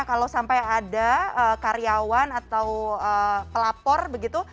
kalau sampai ada karyawan atau pelapor begitu